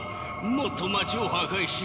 もっと街を破壊しよう。